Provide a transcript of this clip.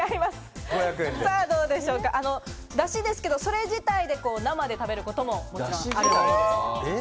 出しですけれども、それ自体で生で食べることももちろんある。